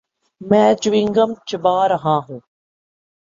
میں chewing gum چبا رہا ہوں۔